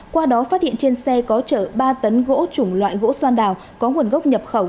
qua đó phát hiện trên xe có chở ba tấn gỗ chủng loại gỗ xoan đào có nguồn gốc nhập khẩu